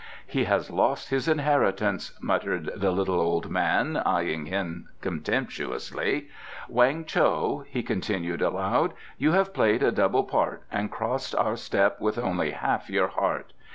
"He has lost his inheritance," muttered the little old man, eyeing him contemptuously. "Weng Cho," he continued aloud, "you have played a double part and crossed our step with only half your heart.